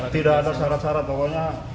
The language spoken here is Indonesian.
tidak ada syarat syarat pokoknya